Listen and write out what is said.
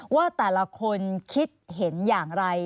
ว่าแต่ละคนคิดเห็นอย่างไร